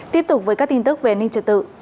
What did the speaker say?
tiếp tục với các tin tức về an ninh trật tự